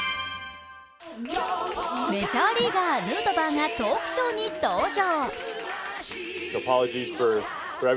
メジャーリーガー・ヌートバーがトークショーに登場。